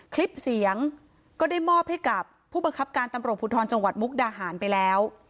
คลิปเสียงก็ได้มอบให้กับผู้บังคับการตำรวจภูทรจังหวัดมุกดาหารไปแล้ว